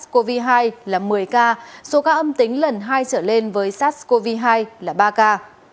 ba mươi ca số ca âm tính lần hai sửa lên với sars cov hai là ba ca